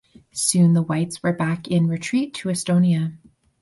Soon the Whites were back in retreat to Estonia.